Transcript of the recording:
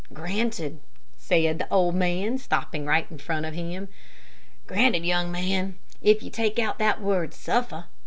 "Granted," said the old man, stopping right in front of him. "Granted, young man, if you take out that word suffer.